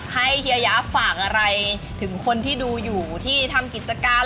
เฮียยะฝากอะไรถึงคนที่ดูอยู่ที่ทำกิจการ